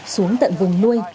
xuống tận vùng nuôi